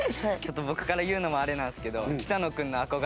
僕から言うのもあれなんですけど。